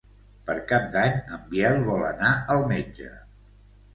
Per Cap d'Any en Biel vol anar al metge.